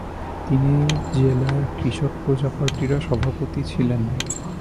তিনি জেলার কৃষক প্রজা পার্টিরও সভাপতি ছিলেন।